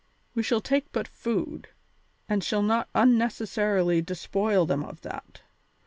We shall take but food, and shall not unnecessarily despoil them of that.